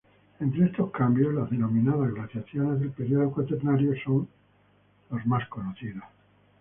Entre estos cambios las denominadas glaciaciones del período Cuaternario son los mejor conocidos.